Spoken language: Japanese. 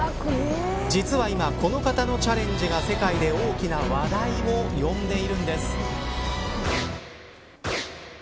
実は今、この方のチャレンジが世界で大きな話題を呼んでいるんです。